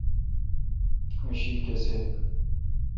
اں شی کسے°